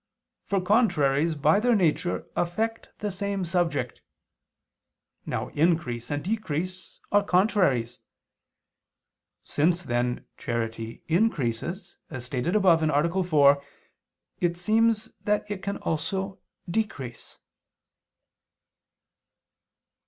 For contraries by their nature affect the same subject. Now increase and decrease are contraries. Since then charity increases, as stated above (A. 4), it seems that it can also decrease.